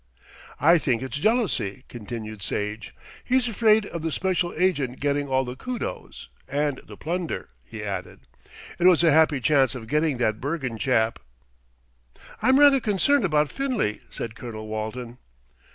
"I think it's jealousy," continued Sage. "He's afraid of the special agent getting all the kudos and the plunder," he added. "It was a happy chance getting that Bergen chap." "I'm rather concerned about Finlay," said Colonel Walton.